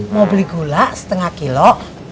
mau beli gula setengah kilo